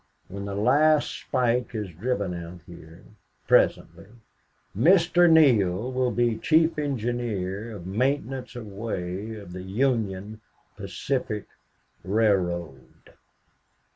When the last spike is driven out here presently Mr. Neale will be chief engineer of maintenance of way of the Union Pacific Railroad."